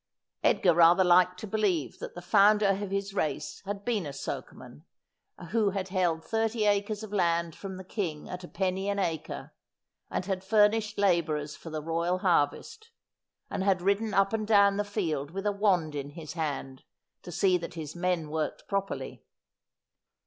Edgar rather liked to believe that the founder of his race had been a sokeman, who had held thirty acres of land from the king at a penny an acre, and had furnished labourers for the royal harvest, and had ridden up and down the field with a wand in his hand to see that his men worked pro perly.